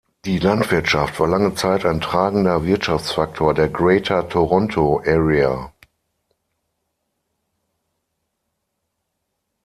Die Landwirtschaft war lange Zeit ein tragender Wirtschaftsfaktor der Greater Toronto Area.